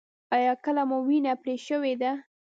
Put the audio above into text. ایا کله مو وینه پرې شوې ده؟